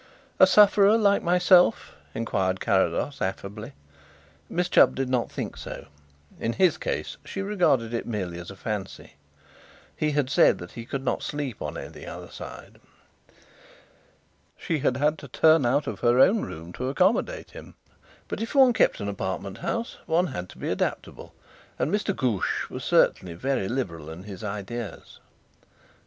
"A sufferer like myself?" inquired Carrados affably. Miss Chubb did not think so. In his case she regarded it merely as a fancy. He had said that he could not sleep on any other side. She had had to turn out of her own room to accommodate him, but if one kept an apartment house one had to be adaptable; and Mr. Ghoosh was certainly very liberal in his ideas.